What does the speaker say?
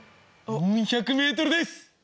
４００ｍです！